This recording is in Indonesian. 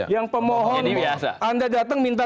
yang pemohon anda datang minta